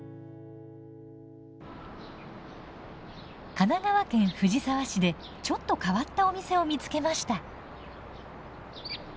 神奈川県藤沢市でちょっと変わったお店を見つけました。